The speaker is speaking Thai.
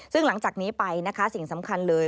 ซึ่งหลังจากนี้ไปนะคะสิ่งสำคัญเลย